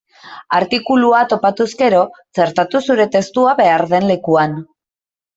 Artikulua topatuz gero, txertatu zure testua behar den lekuan.